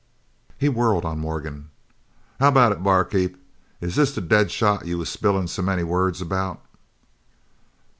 He whirled on Morgan. "How about it, bar keep, is this the dead shot you was spillin' so many words about?"